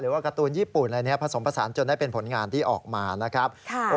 ว่าการ์ตูนญี่ปุ่นอะไรนี้ผสมผสานจนได้เป็นผลงานที่ออกมานะครับ